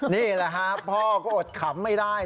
นี่แหละครับพ่อก็อดขำไม่ได้